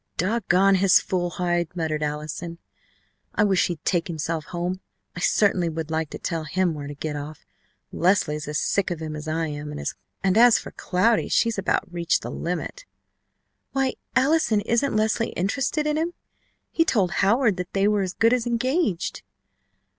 "Dog gone his fool hide!" muttered Allison. "I wish he'd take himself home! I certainly would like to tell him where to get off. Leslie's as sick of him as I am, and as for Cloudy, she's about reached the limit." "Why, Allison, isn't Leslie interested in him? He told Howard that they were as good as engaged."